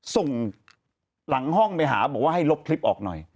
ส่งหลังห้องไปหาบอกว่าให้ลบคลิปออกหน่อย